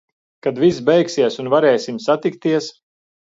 Kad viss beigsies un varēsim satikties.